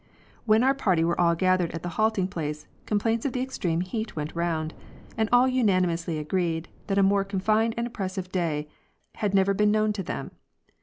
When our party were all gathered at the halting place complaints of the extreme heat went round and all unanimously agreed that a more confined and oppressive day had never been known to them.